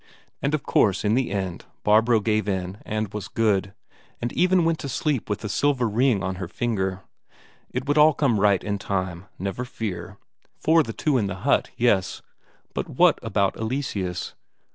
And of course in the end Barbro gave in and was good, and even went to sleep with the silver ring on her finger. It would all come right in time, never fear. For the two in the hut, yes. But what about Eleseus?